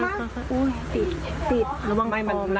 เอามาเอามาเอามาเอามา